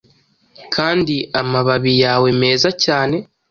Kandi amababi yawe meza cyane,